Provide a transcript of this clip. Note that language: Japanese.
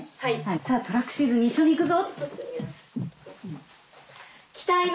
さぁトラックシーズンに一緒に行くぞ！